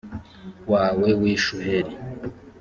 wawe w ishuheri